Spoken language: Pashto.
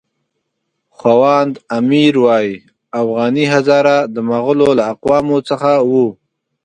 خواند امیر وایي اوغاني هزاره د مغولو له اقوامو څخه وو.